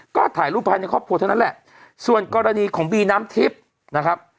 ก็ถ่ายรูปภายในครอบครัวเท่านั้นแหละส่วนกรณีของบีน้ำทิพย์นะครับ